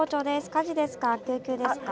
火事ですか？